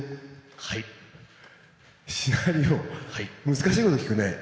難しいこと聞くね。